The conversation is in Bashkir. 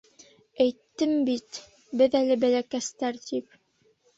Әйттем бит, беҙ әле бәләкәстәр тип...